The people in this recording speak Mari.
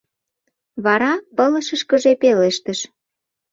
Вара пылышышкыже пелештыш: